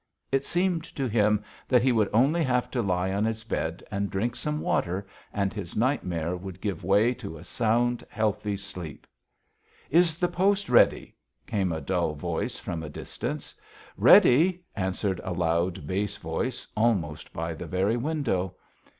It seemed to him that he would only have to lie on his bed and drink some water and his nightmare would give way to a sound, healthy sleep. "Is the post ready?" came a dull voice from a distance. "Ready," answered a loud, bass voice almost by the very window.